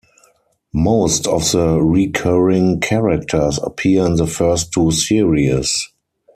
Most of the recurring characters appear in the first two series.